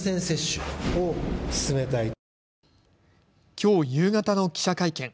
きょう夕方の記者会見。